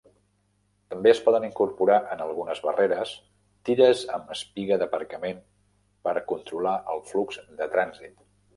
També es poden incorporar en algunes barreres tires amb espigue d'aparcament per controlar el flux de trànsit.